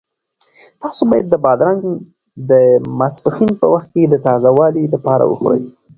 تاسو باید بادرنګ د ماسپښین په وخت کې د تازه والي لپاره وخورئ.